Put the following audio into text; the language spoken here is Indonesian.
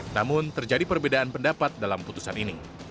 namun terjadi perbedaan pendapat dalam putusan ini